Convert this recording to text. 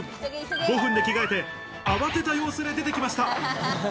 ５分で着替えて、慌てた様子で出てきました。